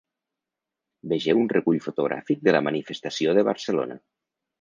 Vegeu un recull fotogràfic de la manifestació de Barcelona.